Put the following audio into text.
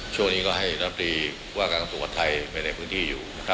ช่วงนี้ก็ให้นักบริวาคังสุขภัยไทยไปในพื้นที่อยู่